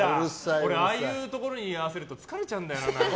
俺、ああいうところに居合わせると疲れちゃうんだよな。